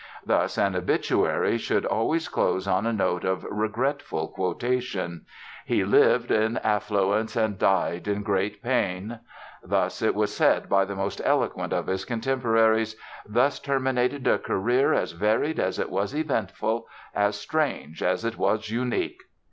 Thus, an obituary should always close on a note of regretful quotation: He lived in affluence and died in great pain. "Thus," it was said by the most eloquent of his contemporaries, "thus terminated a career as varied as it was eventful, as strange as it was unique."